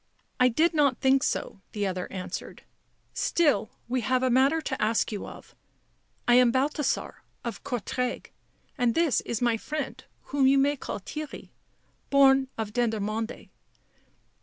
" I did not think so," the other answered. " Still, we have a matter to ask you of. I am Balthasar of Courtrai and this is my friend, whom you may call Theirry, born of Dendermonde."